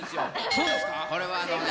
そうですか？